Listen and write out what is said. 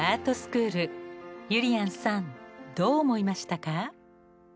ゆりやんさんどう思いましたか？